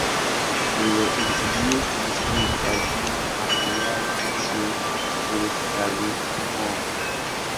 They were introduced to the stage by game and variety show host Garry Moore.